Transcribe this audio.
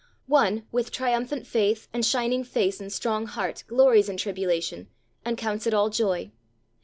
One with triumphant faith and shining face and strong heart glories in tribulation, and counts it all joy.